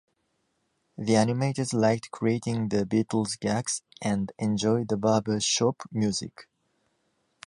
The animators liked creating the Beatles gags and enjoyed the barbershop music.